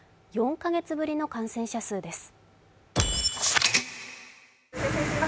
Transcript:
４カ月ぶりの感染者数です。